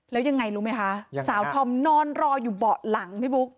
แล้วยังไงรู้ไหมคะสาวธอมนอนรออยู่เบาะหลังพี่บุ๊ค